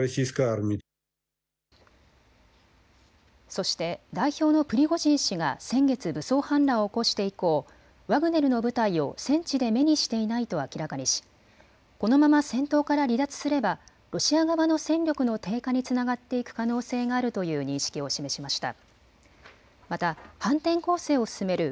そして代表のプリゴジン氏が先月、武装反乱を起こして以降、ワグネルの部隊を戦地で目にしていないと明らかにしこのまま戦闘から離脱すればロシア側の戦力の低下につながっていく可能性があるという認識を示しました。